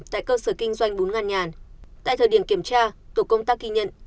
tại cơ sở kinh doanh bốn ngàn nhàn tại thời điểm kiểm tra tổ công tác ghi nhận